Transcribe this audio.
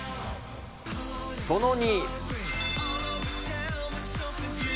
その２。